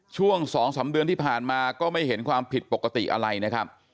ช่วง๒๓เดือนที่ผ่านมาก็ไม่เห็นความผิดปกติอะไรนะครับ